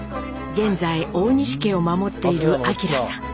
現在大西家を守っている顕さん。